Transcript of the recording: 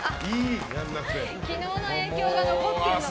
昨日の影響が残ってるのかな。